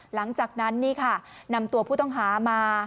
หลังจากนั้นนี่ค่ะนำตัวผู้ต้องหามา